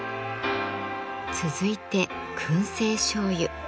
続いて燻製しょうゆ。